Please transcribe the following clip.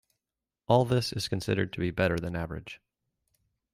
All this is considered to be better than average.